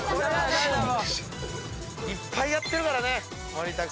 いっぱいやってるからねモリタク！